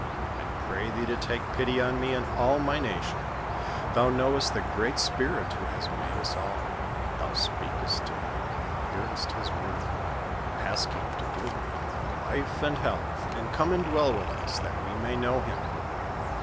I pray thee to take pity on me and all my nation. Thou knowest the Great Spirit who has made us all ; thou speakest to him and hearest his word : ask him to give me I n .( m ■I! d4 NABBATTVB OF FATHER HARQITinTI. ■M Wv'h:, life and health, and come and dwell with us, that we may know him."